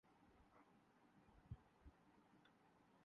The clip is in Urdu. اس علاقے میں گاڑیوں کے پیچھے لٹکنا خطرناک ضرور ہے